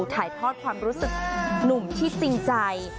ถ่ายทอดความรู้สึกหนุ่มที่จริงใจ